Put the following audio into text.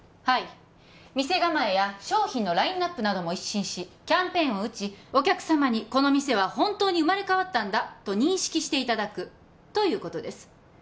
はい店構えや商品のラインナップなども一新しキャンペーンをうちお客様にこの店は本当に生まれ変わったんだと認識していただくということです